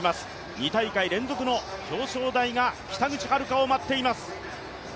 ２大会連続の表彰台が、北口榛花に見えています。